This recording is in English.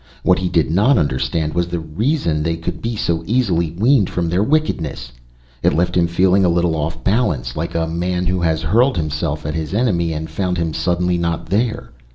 What he did not understand was the reason they could be so easily weaned from their wickedness. It left him feeling a little off balance, like a man who has hurled himself at his enemy and found him suddenly not there.